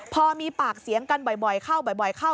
พอมีปากเสียงกันบ่อยเข้าบ่อยเข้า